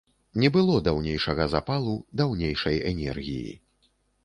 Не было даўнейшага запалу, даўнейшай энергіі.